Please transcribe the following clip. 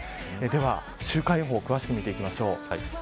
では、週間予報詳しく見ていきましょう。